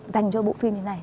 dành cho bộ phim như thế này